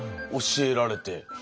教えられて。